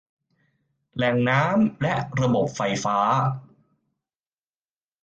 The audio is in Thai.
แหล่งน้ำ และระบบไฟฟ้า